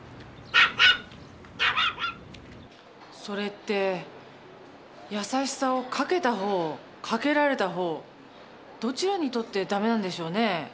それって優しさをかけた方かけられた方どちらにとってダメなんでしょうね？